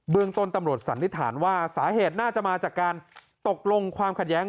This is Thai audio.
เมืองต้นตำรวจสันนิษฐานว่าสาเหตุน่าจะมาจากการตกลงความขัดแย้ง